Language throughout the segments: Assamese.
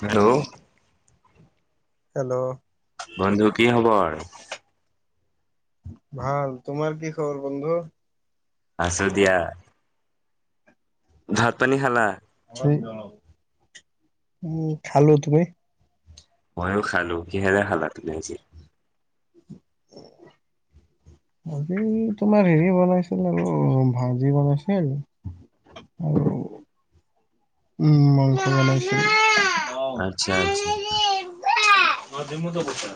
হেল্ল'। হেল্ল'। বন্ধু কি খবৰ? ভাল, তোমাৰ কি খবৰ বন্ধু? আছো দিয়া ভাত, পানী খালা? উম, খালো, তুমি? ময়ো খালো কিহেৰে শালাত লে আজি আজি তোমাৰ হেৰি বনাইছিল আৰু ভাজি বনাইছে আৰু আৰু উম, মাংস বনাইছে। আচ্ছা আচ্ছা মাজমত কথা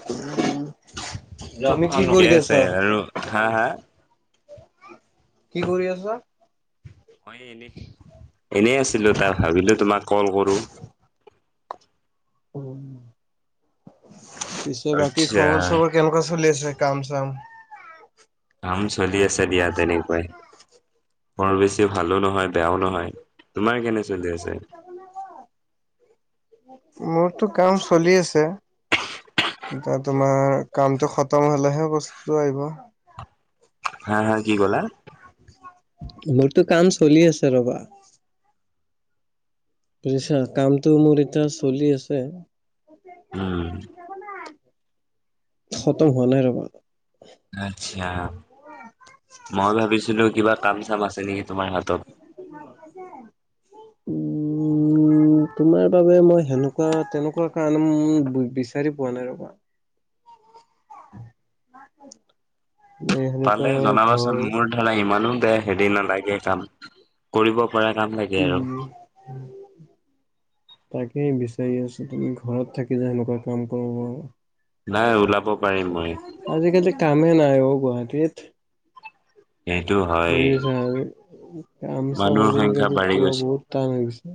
জামি, কি ঠিকে কৰি আছে আছা? আৰু হা হা কি কৰি আছ হয় এনে এনে আছিলো তাই ভাবিলো তোমাক কল কৰো উম। পিছে বাকী আচ্ছা খবৰ চবৰ কেনেকুৱা চলি আছে কাম চাম কাম চলি আছে। চ দিয়তে ন পাই বৰ বেছি ভালো নহয় বেয়াও নহয় তোমাৰ কেনে চলি আছে মোৰতটো কাম চলি আছে এতিয়া তোমাৰ কামটো খতম হলেহে বস্তুতটো আহিব হা হা কি ক'লা মোৰতো কাম চলি আছে ৰবা বুজিছা কামটো মোৰ এতিয়া চলি আছে উম [inaudible] খতম হোৱা নাই ৰ'বা আছা, মই ভাবিছিলো কিবা কাম, চাম আছে নেকি? তোমাৰ হাতত? মাল [unintelligible] কাজ উম তোমাৰ বাবে মই সেনেকুৱা তেনেকুৱা কাৰণে বিচাৰি পোৱা নাই ৰ'বা ন [unintelligible] পালে জনাবাচোন মোৰ ধৰা ইমানো বেয়া হেৰি নালাগে কাম কৰিব পৰা কাম লাগে আৰু উম, তাকেই বিচাৰি আছো, তুমি ঘৰত থাকি যে সেনেকুৱা কাম কৰিব পাৰো। নাই উলাব। পাৰিম মই। সময়ে নাই অ গুৱাহাটীত সেইটো হয় বুজি পাইছো না কাম, চাম মানুহৰ সংখ্যা আজিকালি বাঢ়ি গৈছে বহুত টান হৈ গৈছে।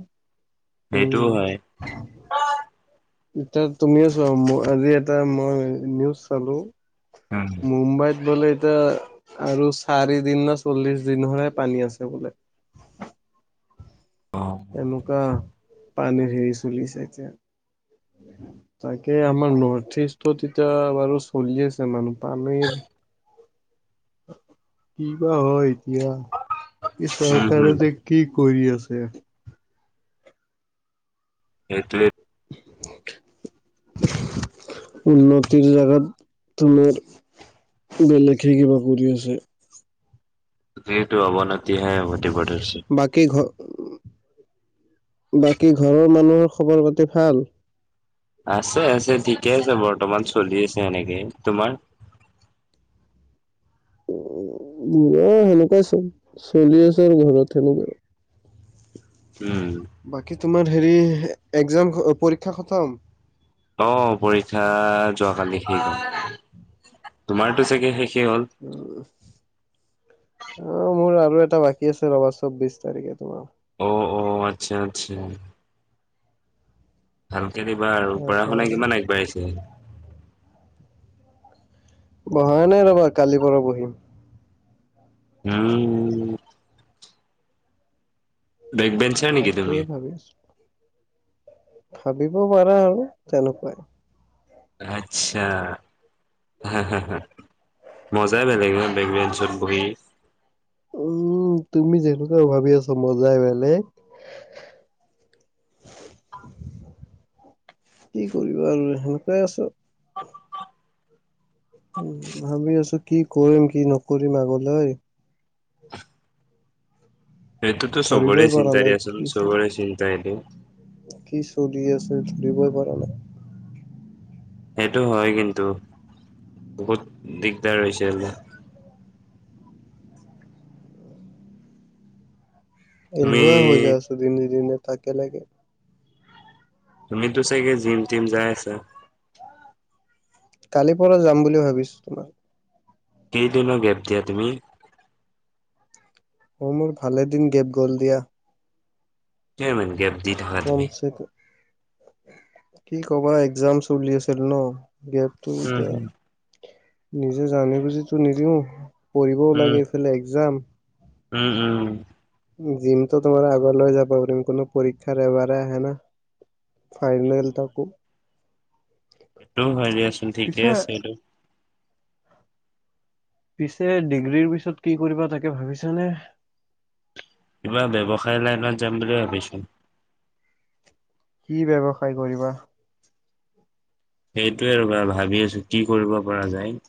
সেইটোও উম। হয় এতিয়া তুমিও চোৱা আজি এটা মই নিউজ চালো উম মুম্বাইত বোলে এতিয়া আৰু চাৰি দিন না চল্লিচ দিনহে পানী আছে বোলে এনেকুৱা। পানীৰ হেৰি চলিছে এতিয়া তাকে আমাৰ নথ ইষ্টত এতিয়া বাৰু চলি আছে মানুহ পানীৰ কি, বা, হয় এতিয়া এতিয়া এই চৰকাৰে হম যে কি কৰি আছে তে সেইটোৱে উন্নতিৰ জাগাত, তোমাৰ বেলেগে কিবা কৰি আছে। তাতে টো অৱনতিহে হ'ব হে ধৰিছে বাকী ঘ বাকী ঘৰৰ মানুহৰ খবৰ পাতি ভাল আছে, আছে, ঠিকে আছে, বৰ্তমান চলি আছে এনেকে, তোমাৰ মোৰো, কেনেকুৱা ই চোন, চলি আছে, আৰু ঘৰত সেনেকুৱাই। উম বাকী তোমাৰ হেৰি একজাম পৰীক্ষা খতম অ পৰীক্ষা যোৱা কালি শেষ হল তোমাৰতো চাগে শেষ উম অ মোৰ মোৰেএটা বাকী আছে ৰবা চৌবিশ তাৰিখে তোমাৰ অ অ আচ্ছা আচ্ছা ভাল ভালকে দিবা। আৰু তাৰ পঢ়া শুনা কাৰণে কিমান আগবাঢ়িছে পঢ়া নাই ৰবা কালিৰ পৰা পঢ়িম উম বেক বেন চাৰ নেকি তুমি তাকেই ভাবি আছো ভাবিব পাৰা আৰু তেনেকুৱাই আচ্ছা হা হা মজাই বেলেগ বেগঞ্চত বহী উম তুমি যেনেকুৱা ভাবি আছ মজাই বেলেগ কি কৰিবা আৰু সেনেকুৱাই আছ উ ভাবি আছো কি কৰিম কি নকৰিম আগলৈ সটোতো সবৰে ধৰিবই পৰা নাই চিন্তাৰি আছিল কি চ সবৰে চিন্তা হলেই কি চল আছে চৰিিবই পৰা নাই সেইটো হয় কিন্তু বহুত দিগদাৰ হৈছে ম তুমি এলহুৱা হৈ যাই আছো দিনে দিনে তাকে লাগে তুমিতো চাগে জিম টিম যাই আছা কালিৰ পৰা যাম বুলি ভাবিছো তোমাৰ কেইদিনৰো গেপ দিয়া তুমি অঁ মোৰ ভালেদিন গেপ গল দিয়া কে মে কে দি থকা তমি কমচে কি কবা এক্সাম চলিয়ছিল ন গেপটো উম এতিয়া নিজে জানি বুজি তো নিদিওঁ পঢ়িবও লাগে হম এইফালে একজাম উম উম জিমটো তোমাৰ আগলৈ যাব পাৰিম কোনো পৰীক্ষাৰ এবাৰে আহে ন ফাইনেল তাকো এইটো হয় দিয়াচোন ঠিকে পিছে আছে এইটো পিছে ডিগ্ৰীৰ পিছত কি কৰিবা তাকে ভাবিছানে কিবা ব্যৱসায় লাইনত যাম বুলি ভাবিছো । কি ব্যৱসায় কৰিবা সেইটোৱে আৰু ভাল । ভাবি আছো কি কৰিব পৰা যায় উ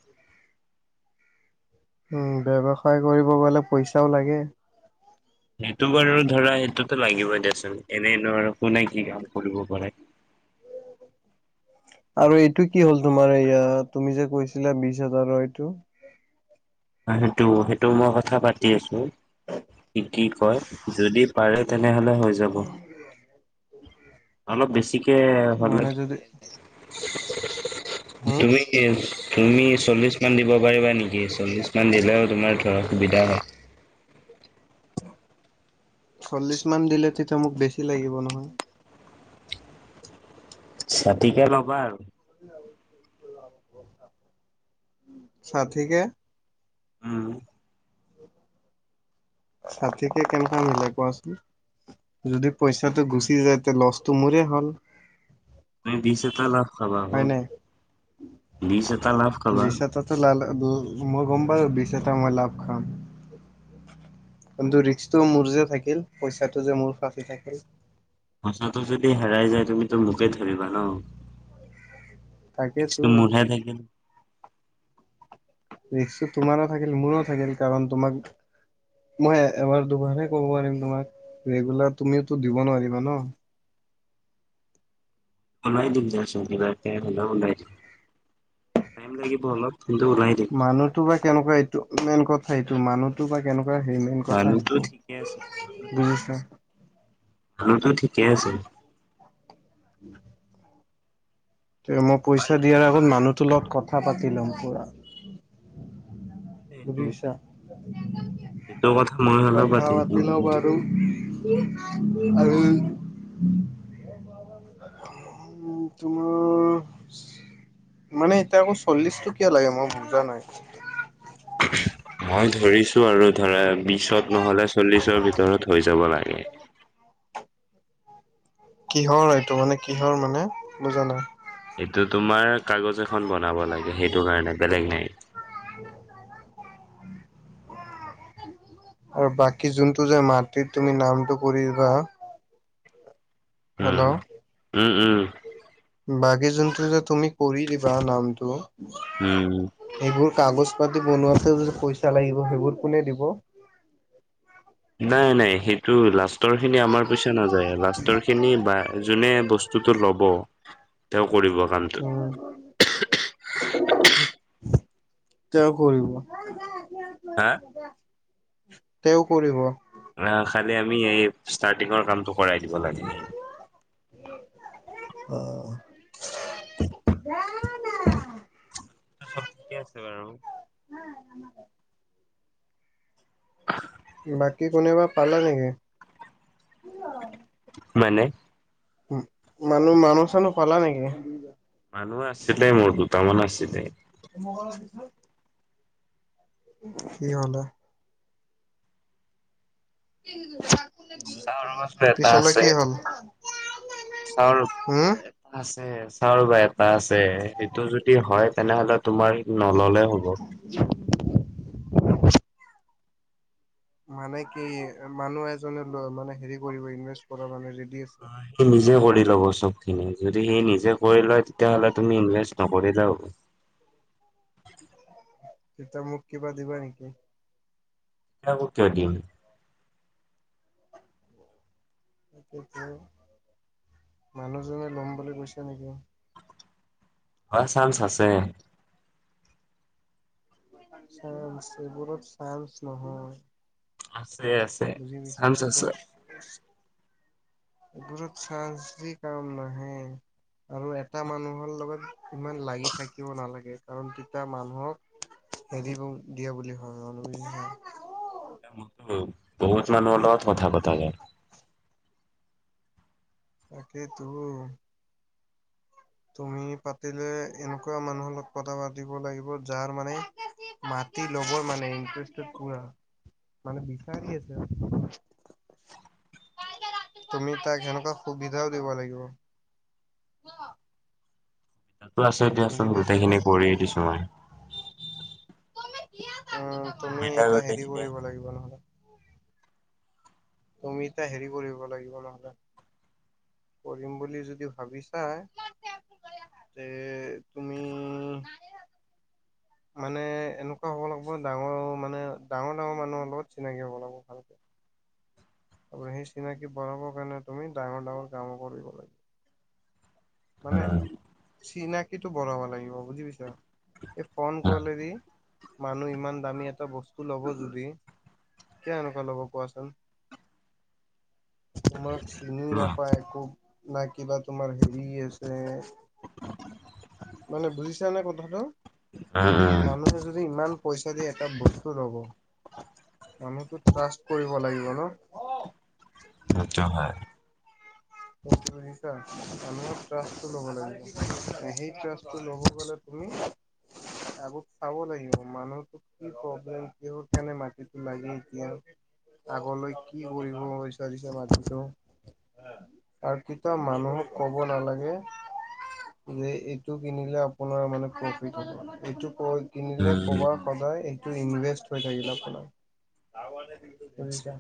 উম ব্যৱসায় কৰিব গলে পইচাও লাগে সেইটো বাৰু ধৰা সেইটোতো লাগিবই দিয়াচোন এনেই নোৱাৰ কোনে কি কাম কৰিব পাৰে আৰু এইটো কি হ'ল তোমাৰ এয়া তুমি যে কৈছিলা বিশ হাজাৰৰ এইটো । সেইটো সেইটো মই কথা পাতি আছো । কি কি কয় যদি পাৰে তেনেহ'লে হৈ যাব । অলপ বেছি হলে মানে যদি হম তুমি তুমি চল্লিশ মান দিব পাৰিবা নেকি গেছ চল মন্দিৰিলে তোমাৰ ধৰা সুবিধা হয় চল্লিশ মান দিলে তেতিয়া মোক বেছি লাগিব নহয় ছাতিিকে ল'বা আৰু চথিকে উম ছাঠকে কেনেকা মিলে কোৱাচোন যদি পইচাটো গুচি যায় তে লচটো মোৰে হ'ল ন দিছে তালাফ খাবা হ হয় নাই দিছে তালাব খাবা আৰু মই গম পাই বিশছ এটা মই লাভ খাম কিন্তু ৰিক্সটো মোৰ যে থাকিল পইচাটো যে মোৰ ফচি থাকিল সঁচাটো যদি হেৰাই যায় তুমিতো মোকে ধৰিবা ন তাকেতো একটো মুঢ়াই থাকিল ৰি্ তোমাৰো থাকিল মোৰো থাকিল কাৰণ তোমাক মই এবাৰ দুবাৰহে কব পাৰিম তোমাক ৰেগুলাৰ তুমিওো দিব নোৱাৰিবা ন ওলাই দিম যা চ বকে হ'ল ওলাই দিম টাইম লাগিব অলপ কিন্তু ওলাই দিম মানুহটো বা কেনেকুৱা এইটো মেইন কথা সেইটো মানুহতো বা কেনেকুৱা সেই মেইন কথা মানুহটো সেইটো ঠিকে আছে বুজিছা মানুহ টো ঠিকে আছে তে মই পইচা দিয়াৰ আগত মানুহ সুলত কথা পাতি ল'মকুৰা এইটো উৰিষ্যা সেইটো কথা মই হলে কথা পাতিম পাতি লওঁ বাৰু আৰু উ তুম মানে এতিয়া আকৌ চল্লিশ টকীয়া লাগে মই বুজা নাই মই ধৰিছো আৰু ধৰা বিশত নহ'লে চল্লিশৰ ভিতৰত হৈ যাব লাগে কিহৰ এইটো মানে কিহৰ মানে বুজা নাই এইটো তোমাৰ কাগজ আ খখন বনাব লাগে সেইটো কাৰণে বেলেগ নাই [inaudible] আৰু বাকী যোনটো যে মাটিত তুমি নামটো কৰিবা হেল্ল' ওম ওম বাগি জন্তু যে তুমি কৰি দিবা নামটো উম যিবোৰ কাগজ পাতি বনোৱাতে যদি পইচা লাগিব সেইবোৰ কোনে দিব নাই নাই সেইটো লষ্ট খিন আমাৰ পইচা নাযায় লাষ্টৰ খিনি যোনে বস্তু ল'ব তেওঁ কৰিব কামটো উম, তেওঁ কৰিব হা তেওঁ কৰিব আহ খালি আমি এই ষ্টাৰ্টিঙৰ কামটো কৰাই দিব লাগে অ জ না চব ঠিকে আছে বাৰু অ আম [unintelligible] বাকী কোনোবা পালা নেকি মানে মানুহ মানুহ চানুহ পালা নেকি মানুহ আছে তাই মোৰ ত মন আছিলছিলে মোক পছ কি হা [unintelligible] উম চাউৰবা ছোন এটা আছে সটো চউল উম? এটা আছে [unintelligible] চাও বা এটা আছে এইটো যদি হয় তেনেহলে তোমাৰ নললে হ'ব মানে কি মানুহ এজনে [unintelligible] লৈ লব [unintelligible] স নিজে কৰি ল'ব চব খিনি যদি সি নিজে কৰি লয় তেতিয়াাহলে তুমি ইনভেষ্ট নকৰিলে হ'ব তেতয়া মোক কিবা দিবা নেকি ক ক ক দিন [unintelligible] সেই মানুহজনে লম বুলি গৈছো নেকি বা চান্স আছে চ এইবোৰত চায়স নহয় আ বজি বিচ [unintelligible] এইবোৰত চান্স চি কাম নাহে আৰু এটা মানুহৰ লগত ইমান লাগি থাকিব নালাগে কাৰণ তিত মানুহক হেৰি দিয়া বুলি হয় মান [unintelligible] বহুত মানুহ লগত কথা পতা যায় [unintelligible] তাকেই তো তুমি পাতিলে এনেকুৱা মানুহৰ লগ পত পাতিব লাগিব যাৰ মানে মাটি লব মানে ইণ্টাৰেষ্ট পুৰা মানে বিচাৰি আছে [unintelligible] তুমি তাক সেনেকুৱা সুবিধাও দিব লাগিব তাতো আছে বুজি দিয়াচোন গোটেইখিনি কৰি দিছো মই ত মে কিয় [unintelligible] উম তুমি সুবিধা এটা হেৰি গোটেইখিনি কৰিব আছে। লাগিব নহলে [inaudible] তুমি এতিয়া হেৰি কৰিব লাগিব নহলে কৰিম বুলি যদি ভাবিছাই যে তুমি মানে এনেকুৱা হব লাগিব ডাঙৰ মানে ডাঙৰ ডাঙৰ মানুহৰ লগত চিনাকি হব লাগিব ভালকে। আপোনাৰ সেই চিনাকি বঢ়াবৰ কাৰণে তুমি ডাঙৰ ডাঙৰ কাম কৰিব লাগিব। মানে চিনা কিটো বঢ়াব লাগিব বুজি পাইছা। এই ফোন উম কালে দি মানুহ ইমান দামী এটা বস্তু লব যদি কিয় এনেকুৱা ল'ব কোৱাচোন। তোমাক চিনিও উম নাপায় একো না কিবা তোমাৰ হেৰি আ ৰে মানে বুজিছা নে কথাটো উম মানুহে যদি ইমান পইচা দি এটা বস্তু ল'ব। [inaudible] মানুহতো ট্ৰাষ্ট কৰিব লাগিব ন। আচ্ছা্ হয়। বুজিছা মানুহৰ ট্ৰাষ্টটো লব লাগিব, সেই ট্ৰাষ্টটো লব গলে তুমি আগত চাব লাগিব মানুহটো কি প্ৰবলেম কিহৰ কাৰণে মাটিটো লাগে এতিয়া, আগলৈ কি কৰিব বিচাৰিছা মাটিটো আৰু কেতিয়াও মানুহক কব নালাগে যে এইটো কিনিলে আপোনাৰ মানে প্ৰফিট হব । এইটো ক কিনিলে উম কবা সদায় ইনভেষ্ট হৈ থাকিলে আপোনাৰ বুজিছা।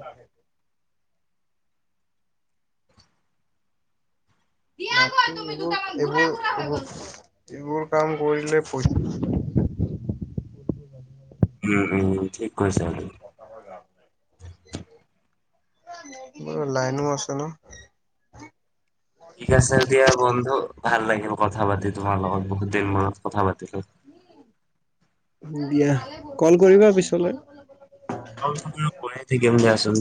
এইবোৰ এইবোৰোৰ এইবোৰ কাম কৰিলে পইচা উম, উম, ঠিক কৈছা সেইটো। মোৰ লাইনো আছে ন। ঠিক আছে দিয়া বন্ধু। ভাল লাগিল কথা পাতি তোমাৰ লগত বহুত দিনৰ মূৰত কথা পাতি লো। দিয়া কল কৰিবা পিছলৈ অঁ অঁ কৰাই থাকিম দিয়া চোন।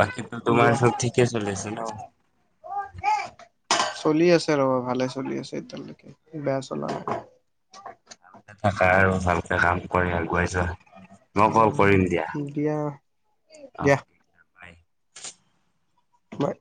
বাকীটো দিয়া তোমাৰ চব ঠিকে চলে আছে ন। চলি আছে ৰ'বা ভালে চলি আছে এতিয়ালৈকে বেয়া চলা নাই। ভালকে থাকা আৰু ভালকে কাম কৰি আগুৱাই যোৱা। মই কল কৰিম দিয়া, দিয়া আহ। তোমাৰ